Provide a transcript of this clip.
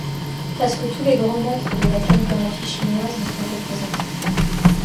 Presque tous les grands maîtres de la calligraphie chinoise y sont représentés.